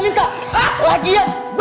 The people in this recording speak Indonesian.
memet nggak mau jadi pengemis